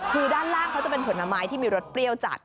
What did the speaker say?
คือด้านล่างเขาจะเป็นผลไม้ที่มีรสเปรี้ยวจัด